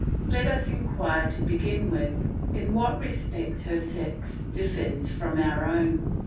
Let us inquire to begin with in what respects her sex differs from our own.